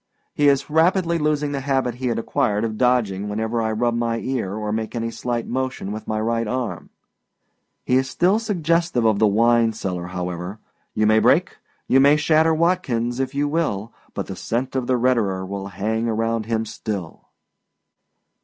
He is rapidly losing the habit he had acquired of dodging whenever I rub my ear, or make any slight motion with my right arm. He is still suggestive of the wine cellar, however. You may break, you may shatter Watkins, if you will, but the scent of the Roederer will hang round him still.